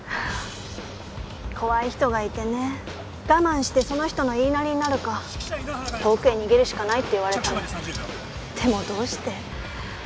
怖い人がいてね我慢してその人の言いなりになるか遠くへ逃げるしかないって言われたのでもどうして？